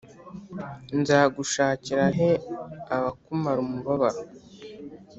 Nzagushakira he abakumara umubabaro?